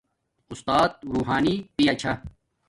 اُستات روحانی پایا چھا